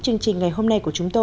chương trình ngày hôm nay